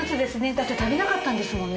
だって食べなかったんですもんね